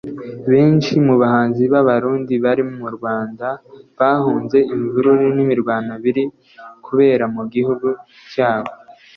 Benshi mu bahanzi b’Abarundi bari mu Rwanda bahunze imvururu n’imirwano biri kubera mu gihugu cyabo